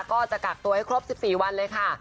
ก็จะกักตัวให้ครบ๑๔วันเลยค่ะ